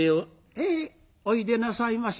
「ええおいでなさいまし。